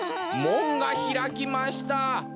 もんがひらきました。